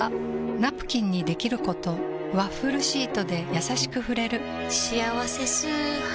ナプキンにできることワッフルシートでやさしく触れる「しあわせ素肌」